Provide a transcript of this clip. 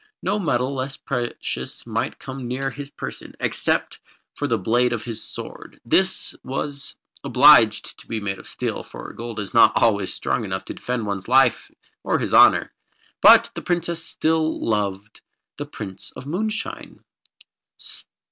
No metal less precious might come near his person, except for the blade of his sword. This was obliged to be made of steel, for gold is not always strong enough to defend one's life or his honour. But the Princess still loved the Prince of Moonshine.